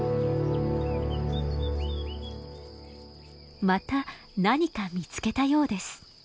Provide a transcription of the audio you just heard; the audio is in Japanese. また何か見つけたようです。